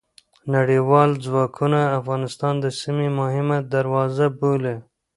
نړیوال ځواکونه افغانستان د سیمې مهمه دروازه بولي.